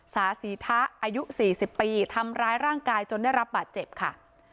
สาศรีทะอายุ๔๐ปีทำร้ายร่างกายจนได้รับบาดเจ็บค่ะ